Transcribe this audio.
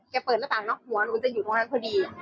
เปิดหน้าต่างเนอะหัวหนูจะอยู่ตรงนั้นพอดี